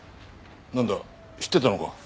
なんだ知ってたのか？